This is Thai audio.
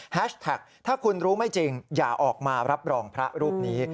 แท็กถ้าคุณรู้ไม่จริงอย่าออกมารับรองพระรูปนี้